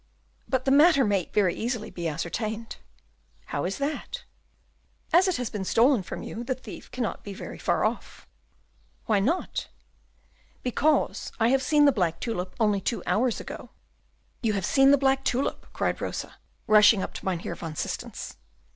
"But the matter may very easily be ascertained." "How is that?" "As it has been stolen from you, the thief cannot be far off." "Why not?" "Because I have seen the black tulip only two hours ago." "You have seen the black tulip!" cried Rosa, rushing up to Mynheer van Systens.